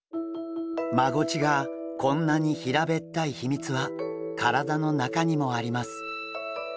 マゴチがこんなに平べったい秘密は体の中にもあります。